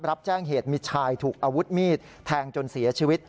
รับแจ้งเหตุมีชายถูกอาวุธมีดแทงจนเสียชีวิต